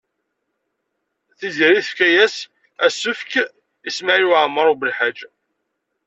Tiziri tefka-as asefk i Smawil Waɛmaṛ U Belḥaǧ.